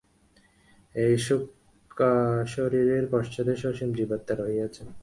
এই সূক্ষ্মশরীরের পশ্চাতে সসীম জীবাত্মা রহিয়াছেন।